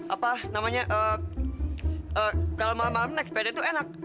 apa namanya kalau malam malam naik sepeda itu enak